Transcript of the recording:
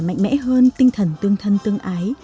mạnh mẽ hơn tinh thần tương thân tương ái